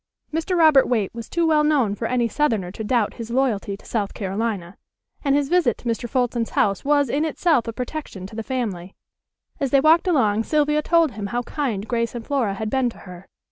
Mr. Robert Waite was too well known for any southerner to doubt his loyalty to South Carolina, and his visit to Mr. Fulton's house was in itself a protection to the family. As they walked along Sylvia told him how kind Grace and Flora had been to her.